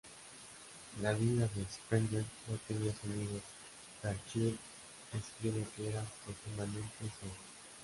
La vida de Sprenger no tenía sonidos; Fairchild escribe que era "profundamente sordo".